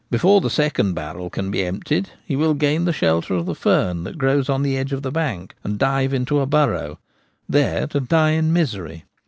Before the second barrel can be emptied he will gain the shelter of the fern that grows on the edge of the bank and dive into a burrow, there to die in misery.